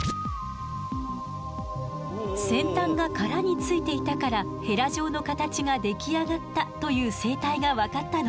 先端が殻についていたからヘラ状の形が出来上がったという生態が分かったの。